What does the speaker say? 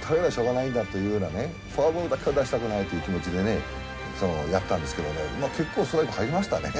打たれりゃしょうがないんだというようなねフォアボールだけは出したくないという気持ちでねやったんですけどね結構ストライク入りましたね。